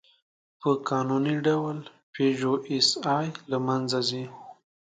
په قانوني ډول «پيژو ایسآی» له منځه ځي.